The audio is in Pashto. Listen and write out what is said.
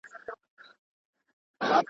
یو ایږدن مي خیرات نه کړ چي مي دفع کړي اورونه.